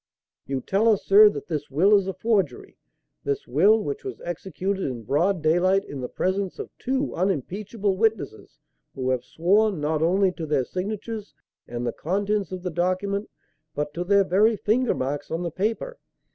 You tell us, sir, that this will is a forgery; this will, which was executed in broad daylight in the presence of two unimpeachable witnesses who have sworn, not only to their signatures and the contents of the document, but to their very finger marks on the paper.